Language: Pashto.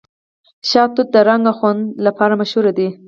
شاه توت د رنګ او خوند لپاره مشهور دی.